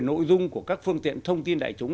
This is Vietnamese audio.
nội dung của các phương tiện thông tin đại chúng